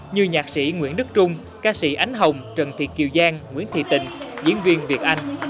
như nhạc sĩ nguyễn đức trung ca sĩ ánh hồng trần thiệt kiều giang nguyễn thị tình diễn viên việt anh